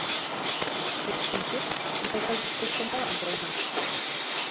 Тый шинчет, мый кызыт тышке молан толынам?